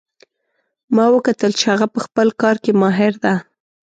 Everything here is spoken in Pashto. ما وکتل چې هغه په خپل کار کې ماهر ده